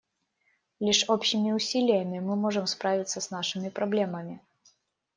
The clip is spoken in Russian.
Лишь общими усилиями мы можем справиться с нашими проблемами.